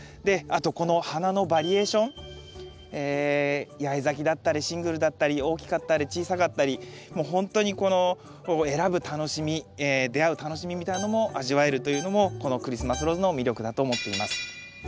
あとこの花のバリエーション八重咲きだったりシングルだったり大きかったり小さかったりもうほんとにこの選ぶ楽しみ出会う楽しみみたいなのも味わえるというのもこのクリスマスローズの魅力だと思っています。